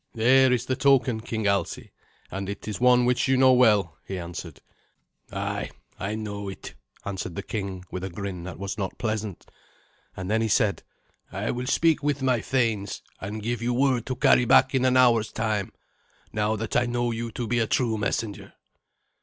"There is the token, King Alsi, and it is one which you know well," he answered. "Ay, I know it," answered the king with a grin that was not pleasant. And then he said, "I will speak with my thanes, and give you word to carry back in an hour's time, now that I know you to be a true messenger."